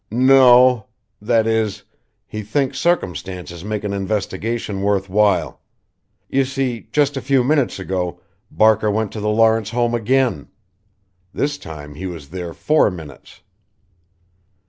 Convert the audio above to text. "No o. That is: he thinks circumstances make an investigation worth while. You see, just a few minutes ago Barker went to the Lawrence home again. This time he was there four minutes."